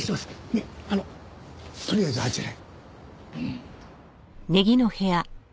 ねっあのとりあえずあちらへ。